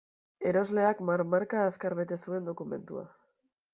Erosleak marmarka, azkar bete zuen dokumentua.